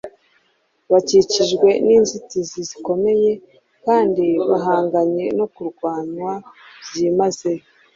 bakikijwe n’inzitizi zikomeye kandi bahanganye no kurwanywa byimazeyo.